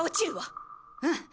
うん！